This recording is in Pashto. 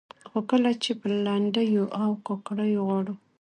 خو کله چې لنډيو او کاکړيو غاړو